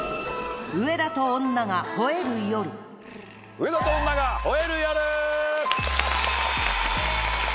『上田と女が吠える夜』！